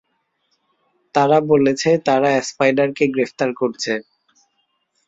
তারা বলছে তারা স্পাইডারকে গ্রেফতার করছে।